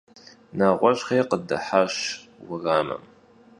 Neğueş'xeri khıdıhaş vueramım.